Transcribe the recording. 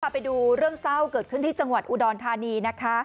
ไปดูเรื่องเศร้าเกิดขึ้นที่จังหวัดอุดรธานีนะคะ